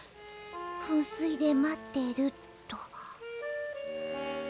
「噴水で待ってる」っと。